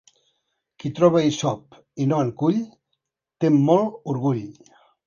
Qui troba hisop i no en cull, té molt orgull.